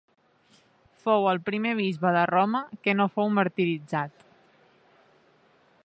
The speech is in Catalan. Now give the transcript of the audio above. Fou el primer bisbe de Roma que no fou martiritzat.